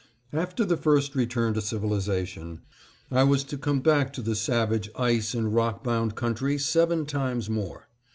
After the first return to civilization, I was to come back to the savage, ice and rock bound country seven times more.